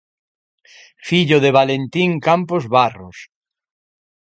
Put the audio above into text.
Fillo de Valentín Campos Barros.